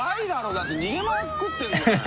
だって逃げまくってるじゃない。